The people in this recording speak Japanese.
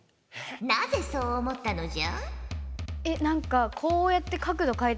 なぜそう思ったのじゃ？